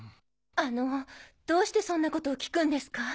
あのどうしてそんなことを聞くんですか？